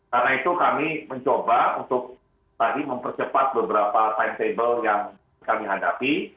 karena itu kami mencoba untuk tadi mempercepat beberapa timetable yang kami hadapi